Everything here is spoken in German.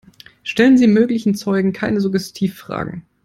Stellen Sie möglichen Zeugen keine Suggestivfragen.